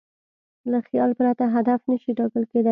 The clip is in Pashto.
له خیال پرته هدف نهشي ټاکل کېدی.